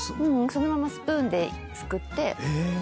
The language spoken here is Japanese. そのままスプーンですくって。